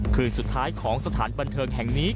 คืนสุดท้ายของสถานบันเทิงแห่งนี้